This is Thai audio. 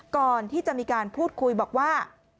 ก่อนที่จะมีการพูดคุยบอกว่า